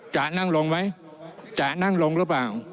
จะนั่งลงไหมจะนั่งลงหรือเปล่า